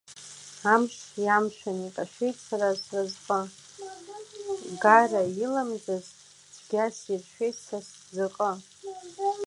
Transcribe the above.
Амш иамшәан икашәеит са сразҟы, гара иламӡаз, цәгьа сиршәеит са сӡыҟы.